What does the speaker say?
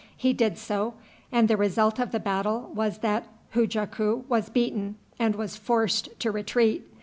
He did so; and the result of the battle was that Hujaku was beaten and was forced to retreat.